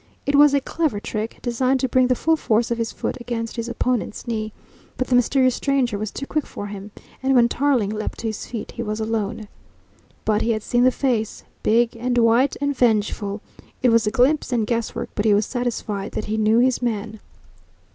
It was a clever trick, designed to bring the full force of his foot against his opponent's knee. But the mysterious stranger was too quick for him, and when Tailing leapt to his feet he was alone. But he had seen the face big and white and vengeful. It was glimpse and guess work, but he was satisfied that he knew his man.